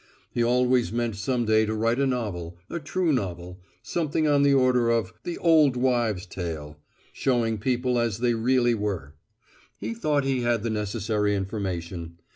He always meant some day to write a novel, a true novel, something on the order of "The Old Wives' Tale," showing people as they really were. He thought he had the necessary information.